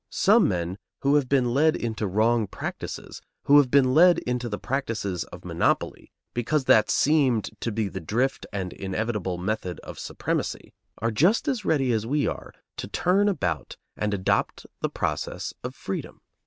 Some men who have been led into wrong practices, who have been led into the practices of monopoly, because that seemed to be the drift and inevitable method of supremacy, are just as ready as we are to turn about and adopt the process of freedom.